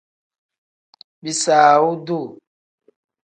Bisaawu duu.